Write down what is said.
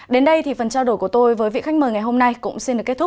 đến đây thì phần trao đổi của tôi với vị khách mời ngày hôm nay cũng xin được kết thúc